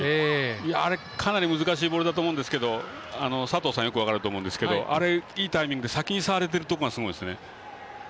かなり難しいボールだと思うんですけど佐藤さん、よく分かると思うんですがあれ、いいタイミングで先に触れてるところがすごいですよね。